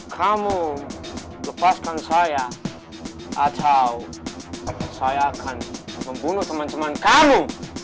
kamu lepaskan saya atau saya akan membunuh teman teman kamu